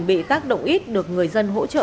bị các động ít được người dân hỗ trợ